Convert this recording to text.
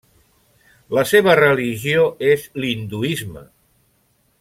La seva religió és l'hinduisme.